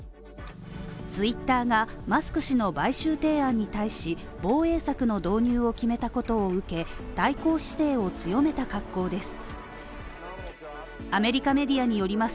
ツイッターが、マスク氏の買収提案に対し、防衛策の導入を決めたことを受け、対抗姿勢を強めた格好です。